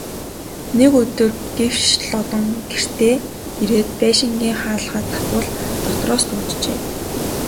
Нэг өдөр гэвш Лодон гэртээ ирээд байшингийн хаалгаа татвал дотроос түгжжээ.